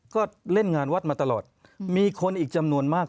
ก็เล่นงานวัดมาตลอดมีคนอีกจำนวนมาก